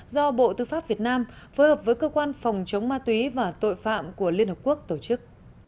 do bộ tư pháp việt nam phối hợp với cơ quan phòng chống ma túy và tội phạm của liên hợp quốc tổ chức